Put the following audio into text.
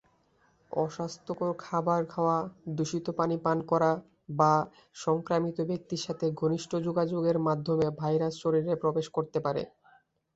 অস্বাস্থ্যকর খাবার খাওয়া, দূষিত পানি পান করা বা সংক্রমিত ব্যক্তির সাথে ঘনিষ্ঠ যোগাযোগের মাধ্যমে ভাইরাস শরীরে প্রবেশ করতে পারে।